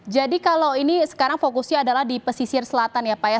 jadi kalau ini sekarang fokusnya adalah di pesisir selatan ya pak